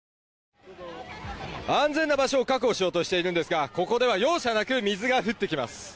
安全な場所を確保しようとしているんですがここでは容赦なく水が降ってきます。